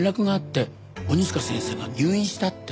鬼塚先生が入院したって。